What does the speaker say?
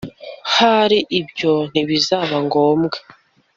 ahari ibyo ntibizaba ngombwa